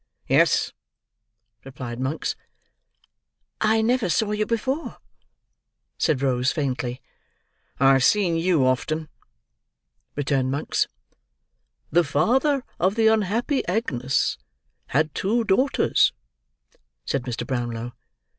"Yes," replied Monks. "I never saw you before," said Rose faintly. "I have seen you often," returned Monks. "The father of the unhappy Agnes had two daughters," said Mr. Brownlow.